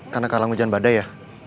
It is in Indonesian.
karena kalang hujan badai ya